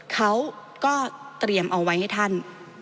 เขาก็เตรียมเอาไว้ให้ท่าน